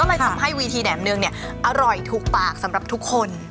ก็เลยทำให้วีทีแหนมเนืองเนี่ยอร่อยถูกปากสำหรับทุกคน